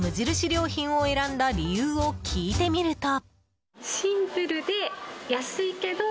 良品を選んだ理由を聞いてみると。